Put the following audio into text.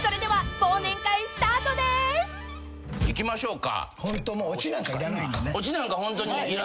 僕いきましょうか。